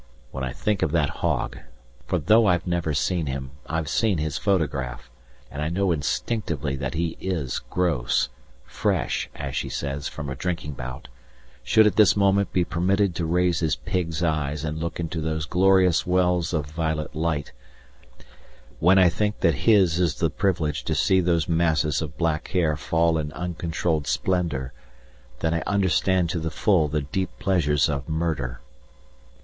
When I think of that hog, for though I've never seen him, I've seen his photograph, and I know instinctively that he is gross, fresh, as she says, from a drinking bout, should at this moment be permitted to raise his pigs' eyes and look into those glorious wells of violet light; when I think that his is the privilege to see those masses of black hair fall in uncontrolled splendour, then I understand to the full the deep pleasures of murder.